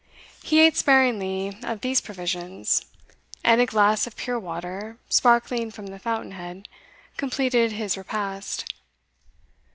He ate sparingly of these provisions; and a glass of pure water, sparkling from the fountain head, completed his repast.